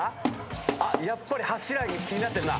やっぱり柱気になってるな。